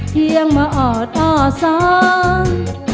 เพียงว่าออดออดซ้อน